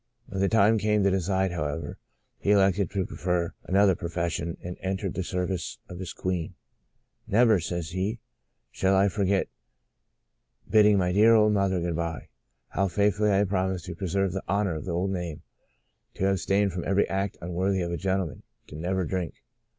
When the time came to decide, however, he elected to prefer another profession and entered the service of his queen. *' Never," he says, shall I forget bidding my dear old mother good bye. How faithfully I promised to preserve the honour of the old name, to ab stain from every act unworthy of a gentle man, to never drink